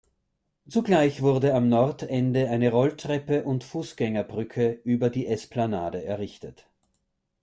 Zugleich wurde am Nordende eine Rolltreppe und Fußgängerbrücke über die Esplanade errichtet.